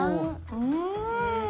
うん。